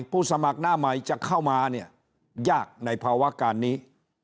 ผู้สมัครหน้าใหม่จะเข้ามาเนี่ยยากในภาวะการนี้